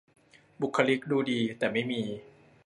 บุคลิกดูดี แต่ไม่มี